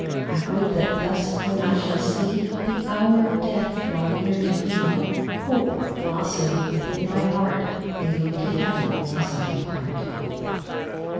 I would that thus, when I shall see The hour of death draw near to me, Hope, blossoming within my heart, May look to heaven as I depart.